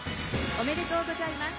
おめでとうございます。